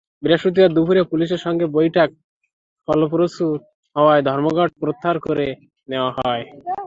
বৃহস্পতিবার দুপুরে পুলিশের সঙ্গে বৈঠক ফলপ্রসূ হওয়ায় ধর্মঘট প্রত্যাহার করে নেওয়া হয়।